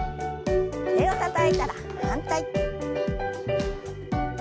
手をたたいたら反対。